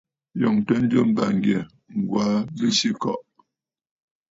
Ǹyòŋtə njɨm bàŋgyɛ̀, Ŋ̀gwaa Besǐkɔ̀ʼɔ̀.